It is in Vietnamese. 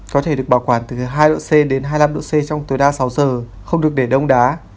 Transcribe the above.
có thể được bảo quản từ hai độ c đến hai mươi năm độ c trong tối đa sáu giờ không được để đông đá